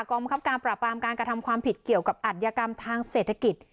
กรรมคับการปราบรามการกระทำความผิดเกี่ยวกับอัธยกรรมทางเศรษฐกิจ